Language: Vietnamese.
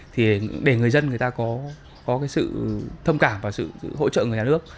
thì để người dân người ta có cái sự thông cảm và sự hỗ trợ người nhà nước